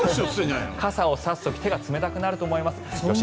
傘を差す時は手が冷たくなると思います。